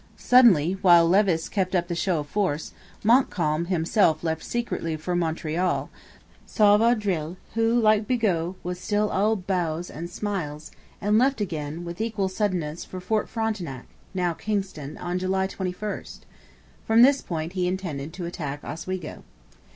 Suddenly, while Levis kept up the show of force, Montcalm himself left secretly for Montreal, saw Vaudreuil, who, like Bigot, was still all bows and smiles, and left again, with equal suddenness, for Fort Frontenac (now Kingston) on July 21. From this point he intended to attack Oswego.